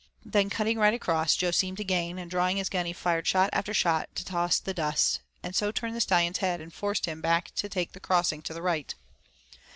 Then cutting right across, Jo seemed to gain, and drawing his gun he fired shot after shot to toss the dust, and so turned the Stallion's head and forced him back to take the crossing to the right.